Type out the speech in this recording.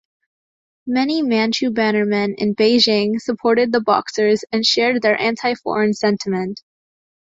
Many Manchu Bannermen in Beijing supported the Boxers and shared their anti-foreign sentiment.